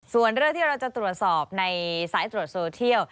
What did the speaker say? ส่วนเรื่องที่เราจะตรวจสอบในสายตรวจโซเทียล